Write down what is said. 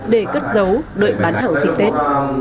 để cất dấu đợi bán hàng dịp tết